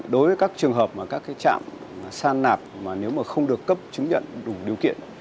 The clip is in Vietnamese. đối với các trường hợp mà các trạm san nạp mà nếu mà không được cấp chứng nhận đủ điều kiện